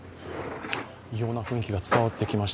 異様な雰囲気が伝わってきました。